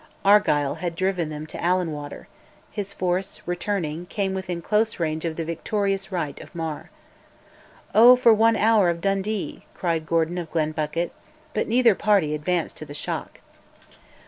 Argyll had driven them to Allan Water; his force, returning, came within close range of the victorious right of Mar. "Oh, for one hour of Dundee!" cried Gordon of Glenbucket, but neither party advanced to the shock.